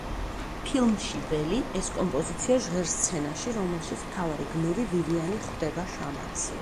ფილმში „ველი“ ეს კომპოზიცია ჟღერს სცენაში, რომელშიც მთავარი გმირი ვივიანი ხვდება შამანს.